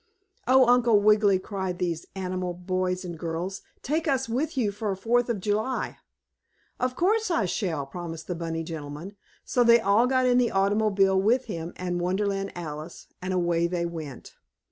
"Oh, Uncle Wiggily!" cried these animal boys and girls. "Take us with you for Fourth of July!" "Of course I shall!" promised the bunny gentleman, so they all got in the automobile with him and Wonderland Alice, and away they went.